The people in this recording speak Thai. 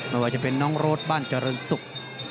มันว่าจะเป็นน้องโรดบ้านจรณสุก